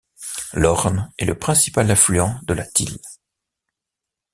L'Orne est le principal affluent de la Thyle.